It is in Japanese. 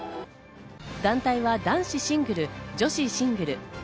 団体は男子シングル、女子シングル。